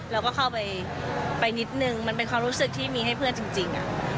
เราก็เข้าไปนิดนึงมันเป็นความรู้สึกที่มีให้เพื่อนจริง